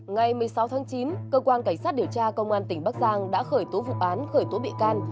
ngày một mươi sáu tháng chín cơ quan cảnh sát điều tra công an tỉnh bắc giang đã khởi tố vụ án khởi tố bị can